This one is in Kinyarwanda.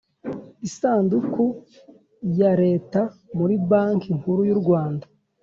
isanduku ya Leta muri Banki Nkuru y u Rwanda